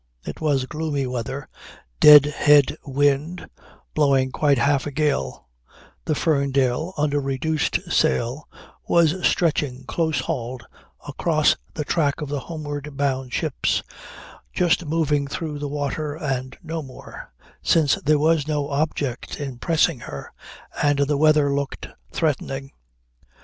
It was gloomy weather; dead head wind, blowing quite half a gale; the Ferndale under reduced sail was stretching close hauled across the track of the homeward bound ships, just moving through the water and no more, since there was no object in pressing her and the weather looked threatening.